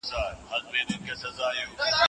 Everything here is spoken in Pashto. د خلکو ترمنځ اړیکې مهمې دي.